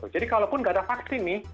jadi kalaupun nggak ada vaksin nih